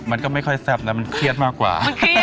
มันก็ไม่ค่อยแซ่บนะมันเครียดมากกว่า